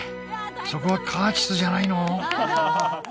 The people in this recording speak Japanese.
そこはカーチスじゃないの？